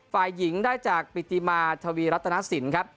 ฝ่ายหญิงได้จากปิติมาทวีรัตนสินครับ